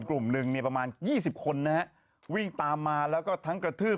กลุ่มหนึ่งประมาณ๒๐คนนะฮะวิ่งตามมาแล้วก็ทั้งกระทืบ